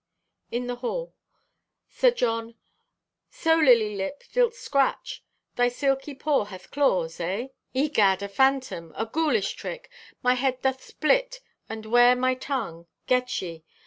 (In the Hall.) (Sir John) "So, lily lip, thee'lt scratch! Thy silky paw hath claws, eh? Egad! A phantom! A ghoulish trick! My head doth split and where my tung? Get ye!